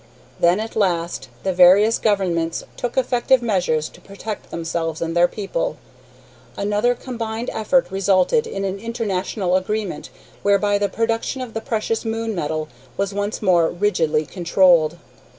Then, at last, the various governments took effective measures to protect themselves and their people. Another combined effort resulted in an international agreement whereby the production of the precious moon metal was once more rigidly controlled.